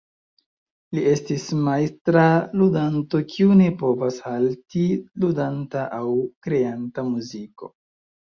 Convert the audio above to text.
Li estis majstra ludanto kiu ne povas halti ludanta aŭ kreanta muziko.